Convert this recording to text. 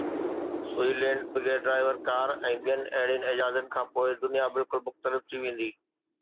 سوئي لينٽ، بغير driver car ۽ ٻين اهڙين ايجادن کانپوءِ دنيا بلڪل مختلف ٿي ويندي.